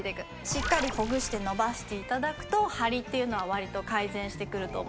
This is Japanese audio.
しっかりほぐして伸ばしていただくと張りっていうのは割と改善してくると思います。